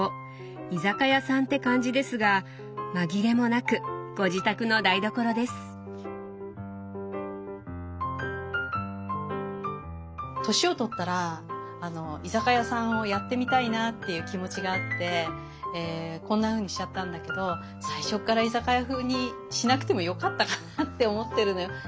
居酒屋さんって感じですが紛れもなくご自宅の台所です。っていう気持ちがあってこんなふうにしちゃったんだけど最初から居酒屋風にしなくてもよかったかなって思ってるのよ。